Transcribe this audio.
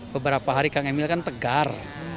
beberapa hari kang emil kan tegar